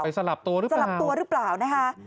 สลับตัวหรือเปล่าสลับตัวหรือเปล่านะคะ